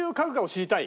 知りたい。